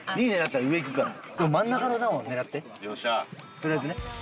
取りあえずね。